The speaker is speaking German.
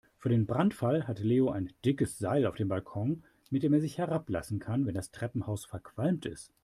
Für den Brandfall hat Leo ein dickes Seil auf dem Balkon, mit dem er sich herablassen kann, wenn das Treppenhaus verqualmt ist.